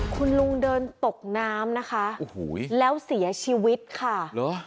คุณลุงเดินตกน้ำนะคะแล้วเสียชีวิตค่ะ